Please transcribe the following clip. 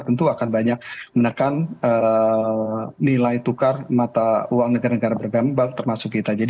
tentu akan banyak menekan nilai tukar mata uang negara negara berkembang termasuk kita